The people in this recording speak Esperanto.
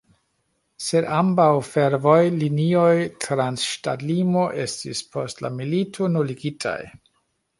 Sed ambaŭ fervojlinioj trans ŝtatlimo estis post la milito nuligitaj.